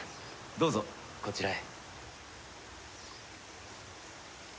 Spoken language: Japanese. どうぞこちらへ。